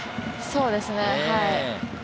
そうですね。